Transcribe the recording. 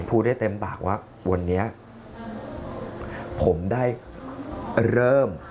พูดได้เต็มปากว่าวันนี้ผมได้เริ่ม